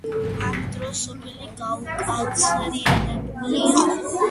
ამ დროს სოფელი გაუკაცრიელებული იყო.